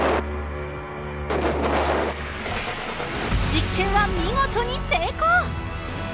実験は見事に成功！